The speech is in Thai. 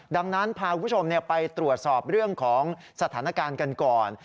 ดังนั้นพาคุณผู้ชมไปตรวจสอบเรื่องของสถานการณ์กันก่อน